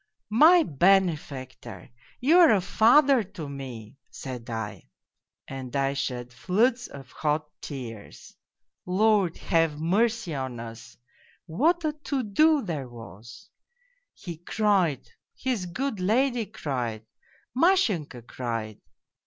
"' My benefactor ! You are a father to me !' said I. And I shed floods of hot tears. Lord, have mercy on us, what a POLZUNKOV 217 to do there was ! He cried, his good lady cried, Mashenka cried